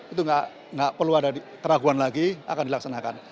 itu nggak perlu ada keraguan lagi akan dilaksanakan